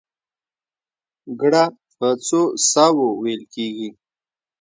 ګړه په څو ساه وو وېل کېږي؟